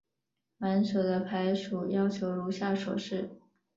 满手的牌数要求如下所示。